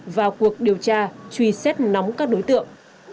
vào cuộc điều tra truy xét nóng các đối tượng